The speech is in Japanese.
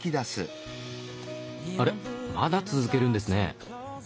あれっまだ続けるんですね。